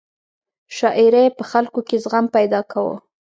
شاعرۍ په خلکو کې زغم پیدا کاوه.